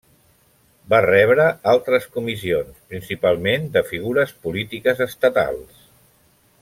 Va rebre altres comissions, principalment de figures polítiques estatals.